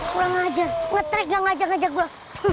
kurang ajar ngetrek nggak ngajak ngajak gue